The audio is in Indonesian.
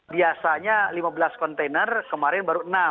biasanya lima belas kontainer kemarin baru enam